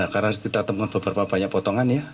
karena kita temukan beberapa banyak potongan ya